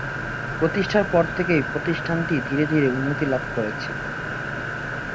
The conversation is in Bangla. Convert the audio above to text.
প্রতিষ্ঠার পর থেকেই প্রতিষ্ঠানটি ধীরে ধীরে উন্নতি লাভ করেছে।